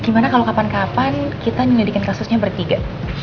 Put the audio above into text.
gimana kalau kapan dua kita nyelidikan kasusnya bertiga